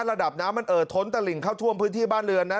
ระดับน้ำมันเอ่อท้นตะหลิงเข้าท่วมพื้นที่บ้านเรือนนะ